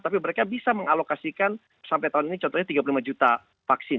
tapi mereka bisa mengalokasikan sampai tahun ini contohnya tiga puluh lima juta vaksin